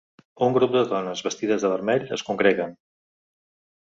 Un grup de dones vestides de vermell es congreguen.